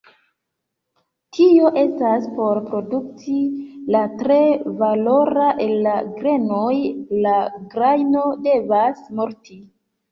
Tio estas, por produkti la tre valora el la grenoj, la grajno devas morti.